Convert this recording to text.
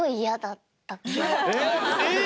えっ！